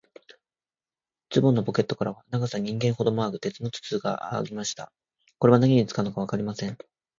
ズボンのポケットからは、長さ人間ほどもある、鉄の筒がありました。これは何に使うのかわかりません。